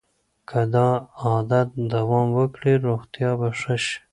که دا عادت دوام وکړي روغتیا به ښه شي.